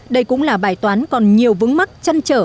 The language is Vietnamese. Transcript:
đây cũng là bài toán còn nhiều vững mắt chân trở